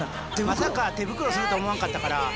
まさか手袋すると思わんかったから。